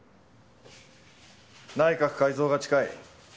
内閣改造が近い。